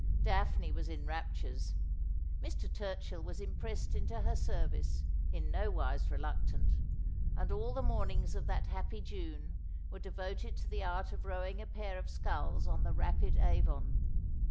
Daphne was in raptures ; Mr. Turchill was impressed into her service, in nowise reluctant ; and all the mornings of that happy June were deyoted to the art of rowing a pair of sculls on the rapid Avon.